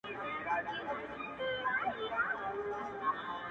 اوس پير شرميږي د ملا تر سترگو بـد ايـسو،